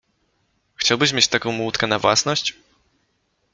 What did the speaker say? Chciałbyś mieć taką łódkę na własność?